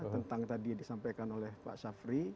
tentang tadi disampaikan oleh pak syafri